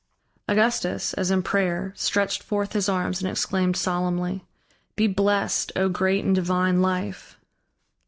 Augustus, as in prayer, stretched forth his arms and exclaimed solemnly: "Be blessed, O great and divine Life!"